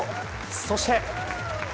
そして。